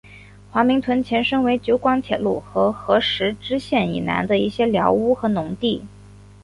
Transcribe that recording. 华明邨前身为九广铁路和合石支线以南的一些寮屋和农地。